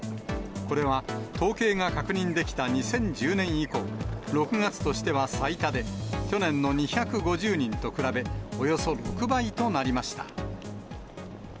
これは、統計が確認できた２０１０年以降、６月としては最多で、去年の２５０人と比べ、およそ６倍となりました。